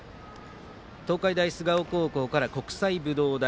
東海大菅生高校から国際武道大。